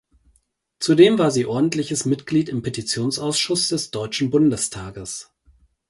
Zudem war sie ordentliches Mitglied im Petitionsausschuss des Deutschen Bundestages.